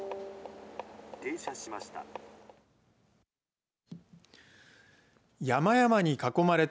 停車しました。